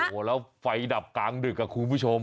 โหแล้วไฟดับกลางดึกอ่ะคุณผู้ชม